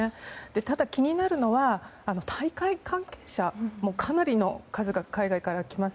ただ気になるのは大会関係者かなりの数が海外から来ます。